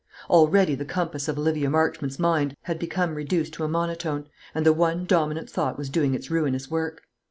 Already the compass of Olivia Marchmont's mind had become reduced to a monotone, and the one dominant thought was doing its ruinous work.